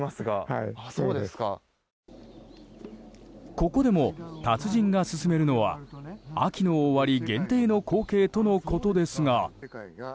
ここでも達人が勧めるのは秋の終わり限定の光景とのことですが。